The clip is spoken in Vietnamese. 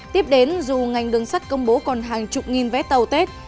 tiếp đến dù ngành đường sắt công bố còn hàng chục nghìn vé tàu tết